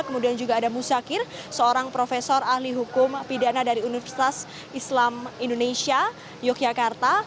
kemudian juga ada musyakir seorang profesor ahli hukum pidana dari universitas islam indonesia yogyakarta